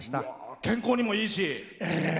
健康にもいいし。